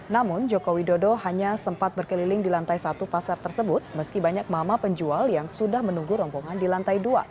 namun joko widodo hanya sempat berkeliling di lantai satu pasar tersebut meski banyak mama penjual yang sudah menunggu rombongan di lantai dua